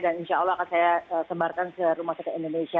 dan insya allah akan saya sembarkan ke rumah sakit indonesia